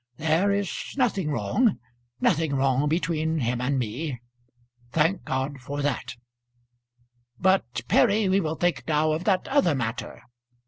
There is nothing wrong nothing wrong between him and me. Thank God for that. But, Perry, we will think now of that other matter.